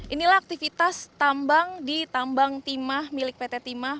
inilah aktivitas tambang di tambang timah milik pt timah